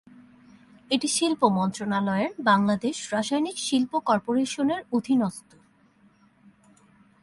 এটি শিল্প মন্ত্রণালয়ের বাংলাদেশ রাসায়নিক শিল্প কর্পোরেশনের অধীনস্থ।